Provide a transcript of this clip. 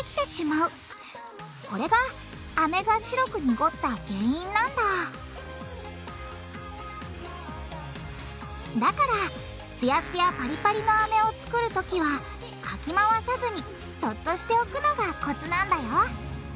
これがアメが白く濁った原因なんだだからつやつやパリパリのアメをつくる時はかきまわさずにそっとしておくのがコツなんだよ。